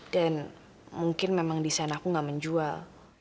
dan mungkin memang desain aku nggak menjual